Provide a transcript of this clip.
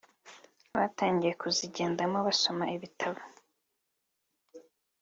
batangiye kuzigendamo basoma ibitabo